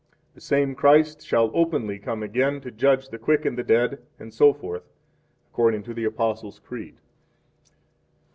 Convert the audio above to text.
6 The same Christ shall openly come again to judge the quick and the dead, etc., according to the Apostles' Creed.